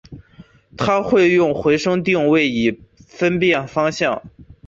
它们会用回声定位以分辨方向。